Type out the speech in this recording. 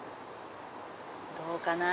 どうかなぁ。